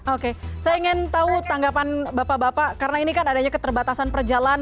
oke saya ingin tahu tanggapan bapak bapak karena ini kan adanya keterbatasan perjalanan